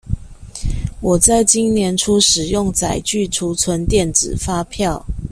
我在今年初使用載具儲存電子發票